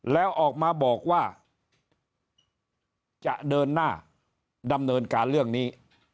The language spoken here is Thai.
แล้วออกมาบอกว่าจะเดินหน้าดำเนินการเรื่องนี้